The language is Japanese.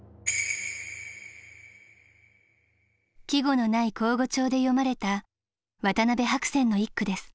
季語のない口語調で詠まれた渡邊白泉の一句です。